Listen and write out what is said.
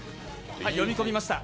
読み込みました。